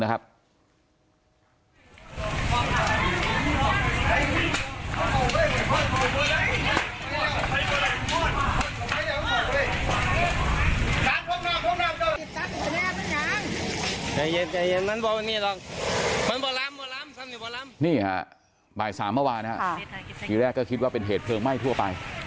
นี่ฮะบ่าย๓เมื่อวานทีแรกก็คิดว่าเป็นเหตุเพลิงไหม้ทั่วไป